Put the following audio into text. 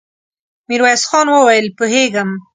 ميرويس خان وويل: پوهېږم.